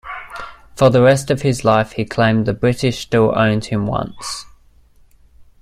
For the rest of his life he claimed the British still owed him one.